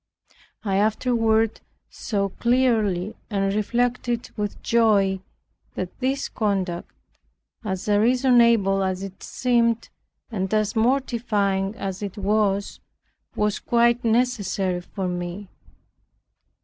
I afterward saw clearly and reflected with joy, that this conduct, as unreasonable as it seemed, and as mortifying as it was, was quite necessary for me.